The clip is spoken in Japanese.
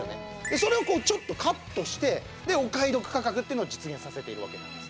それをちょっとカットしてお買い得価格っていうのを実現させているわけなんです。